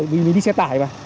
mình đi xe tải mà